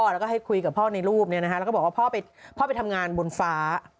แล้วก็ให้คุยกับพ่อในรูปแล้วก็บอกว่าพ่อไปทำงานบนฟ้า